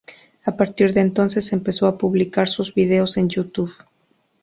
A partir de entonces empezó a publicar sus vídeos en YouTube.